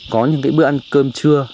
có những bữa ăn cơm trưa